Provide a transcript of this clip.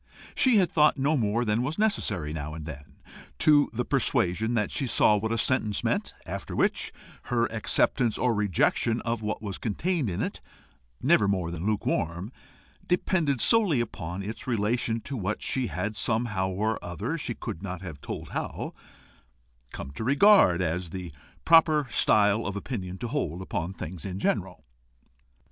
She had thought no more than was necessary now and then to the persuasion that she saw what a sentence meant, after which, her acceptance or rejection of what was contained in it, never more than lukewarm, depended solely upon its relation to what she had somehow or other, she could seldom have told how, come to regard as the proper style of opinion to hold upon things in general.